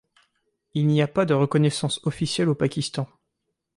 Il n'y a pas de reconnaissance officielle au Pakistan.